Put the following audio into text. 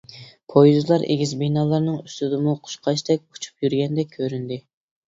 پويىزلار ئېگىز بىنالارنىڭ ئۇستىدىمۇ قۇشقاچتەك ئۇچۇپ يۈرگەندەك كۆرۈندى.